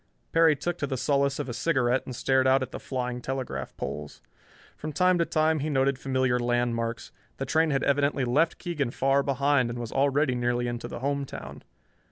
Perry took to the solace of a cigarette and stared out at the flying telegraph poles. From time to time he noted familiar landmarks. The train had evidently left Keegan far behind and was already nearly into the home town.